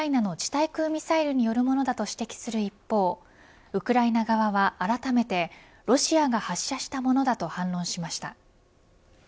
対空ミサイルによるものだと指摘する一方ウクライナ側はあらためてロシアが発射したものだと反論しました。